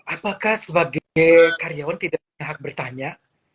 apakah sebagai karyawan tidak berhak bertanya